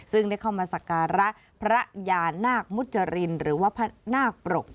ซึ่งได้เข้ามาสักการะพระยานาคมุจรินหรือว่าพระนาคปรก